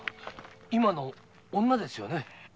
今のは女ですね。